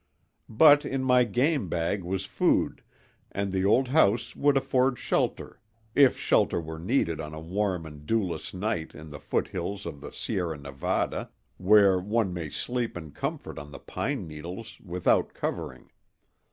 But in my game bag was food, and the old house would afford shelter, if shelter were needed on a warm and dewless night in the foothills of the Sierra Nevada, where one may sleep in comfort on the pine needles, without covering.